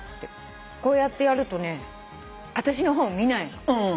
「こうやってやるとね」あたしの方見ないの。